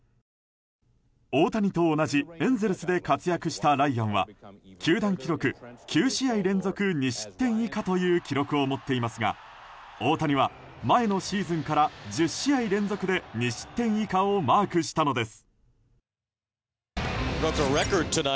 大谷と同じエンゼルスで活躍したライアンは球団記録９試合連続２失点以下という記録を持っていますが大谷は、前のシーズンから１０試合連続で２失点以下をマークしたのです。